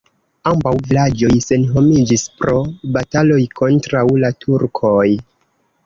Ambaŭ vilaĝoj senhomiĝis pro bataloj kontraŭ la turkoj.